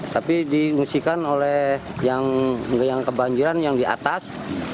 tapi diungsikan oleh yang kebanjiran yang di atas